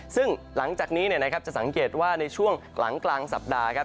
ซึ่งหลังจากนี้จะสังเกตว่าในช่วงหลังกลางสัปดาห์ครับ